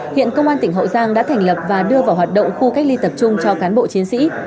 hiện công an tỉnh hậu giang đã thành lập và đưa vào hoạt động khu cách ly tập trung cho cán bộ chiến sĩ